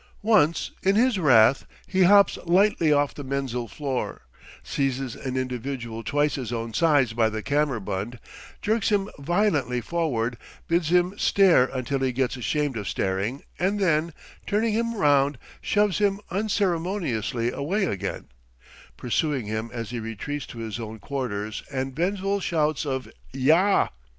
Once, in his wrath, he hops lightly off the menzil floor, seizes an individual twice his own size by the kammerbund, jerks him violently forward, bids him stare until he gets ashamed of staring, and then, turning him round, shoves him unceremoniously away again, pursuing him as he retreats to his own quarters with vengeful shouts of "y a h!"